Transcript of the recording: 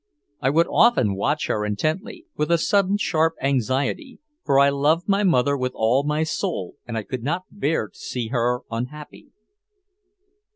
I would often watch her intently, with a sudden sharp anxiety, for I loved my mother with all my soul and I could not bear to see her unhappy.